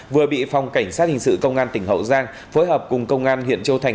vừa bị phòng cảnh sát hình sự công an tỉnh hậu giang phối hợp cùng công an huyện châu thành